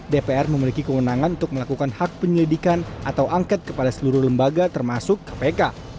dpr memiliki kewenangan untuk melakukan hak penyelidikan atau angket kepada seluruh lembaga termasuk kpk